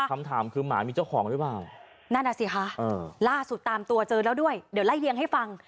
คำถามคือหมามีเจ้าของหรือเปล่านั่นอ่ะสิคะล่าสุดตามตัวเจอแล้วด้วยเดี๋ยวไล่เลี้ยงให้ฟัง